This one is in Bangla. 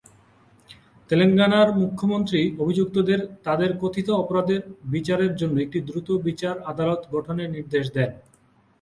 তেলেঙ্গানার মুখ্যমন্ত্রী অভিযুক্তদের তাদের কথিত অপরাধের বিচারের জন্য একটি দ্রুত বিচার আদালত গঠনের নির্দেশ দেন।